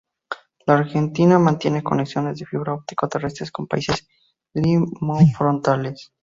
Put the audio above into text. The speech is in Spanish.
La Argentina mantiene conexiones de fibra óptica terrestres con países limítrofes.